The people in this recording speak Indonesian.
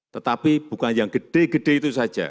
tetapi bukan yang gede gede itu saja